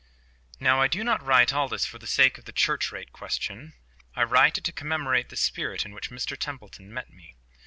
Now I do not write all this for the sake of the church rate question. I write it to commemorate the spirit in which Mr Templeton met me.